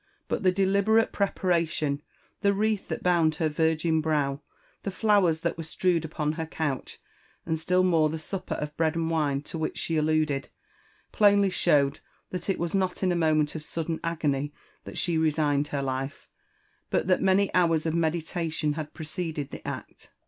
But the deliberate preparation—the wreath that bound her virgin brow * the flowers that were strewed jupon her couch — and still more, the supper of bread and wine to which she alluded, plainly showed that it was not in a moment of sudden agony that she resigned her life, but that many hours of meditation had preceded the act.